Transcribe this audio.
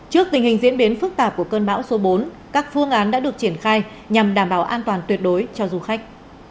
trước tình hình diễn biến phức tạp của cơn bão số bốn các phương án đã được triển khai nhằm đảm bảo an toàn tuyệt đối cho du khách